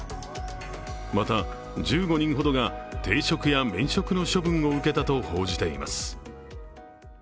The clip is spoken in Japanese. また、１５人ほどが停職や免職の処分を受けたと報じています。